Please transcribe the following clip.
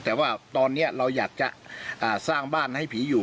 แต่ว่าตอนนี้เราอยากจะสร้างบ้านให้ผีอยู่